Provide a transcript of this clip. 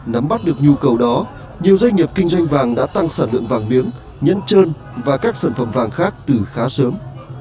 nắm bắt được nhu cầu đó nhiều doanh nghiệp kinh doanh vàng đã tăng sản lượng vàng miếng nhẫn trơn và các sản phẩm vàng khác từ khá sớm